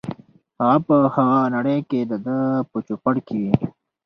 هغه په هغه نړۍ کې دده په چوپړ کې وي.